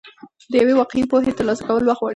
د یوې واقعي پوهې ترلاسه کول وخت غواړي.